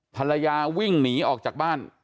ภรรยาวิ่งหนีออกจากบ้าน